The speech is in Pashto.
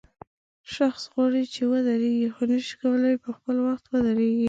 شخص غواړي چې ودرېږي خو نشي کولای په خپل وخت ودرېږي.